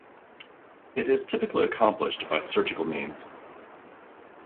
It is typically accomplished by surgical means.